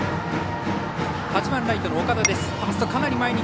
８番ライトの岡田。